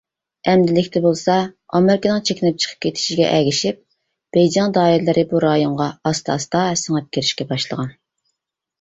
ئەمدىلىكتە بولسا ئامېرىكىنىڭ چېكىنىپ چىقىپ كېتىشىگە ئەگىشىپ، بېيجىڭ دائىرىلىرى بۇ رايونغا ئاستا-ئاستا سىڭىپ كىرىشكە باشلىغان.